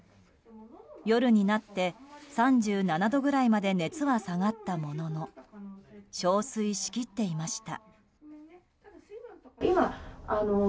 夜になって３７度ぐらいまで熱は下がったものの憔悴しきっていました。